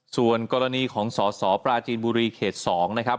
ส่วนกรณีของสสปราจีนบุรีเขต๒นะครับ